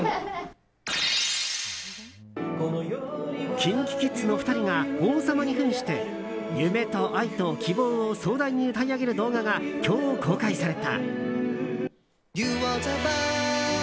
ＫｉｎＫｉＫｉｄｓの２人が王様に扮して夢と愛と希望を壮大に歌い上げる動画が今日公開された。